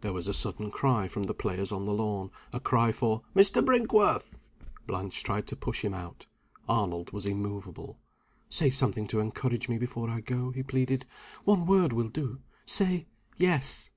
There was a sudden cry from the players on the lawn a cry for "Mr. Brinkworth." Blanche tried to push him out. Arnold was immovable. "Say something to encourage me before I go," he pleaded. "One word will do. Say, Yes."